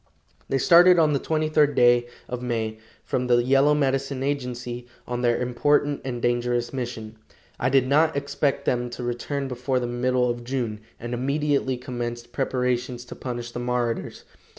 They started on the twenty third day of May, from the Yellow Medicine agency, on their important and dangerous mission. I did not expect them to return before the middle of June, and immediately commenced preparations to punish the marauders.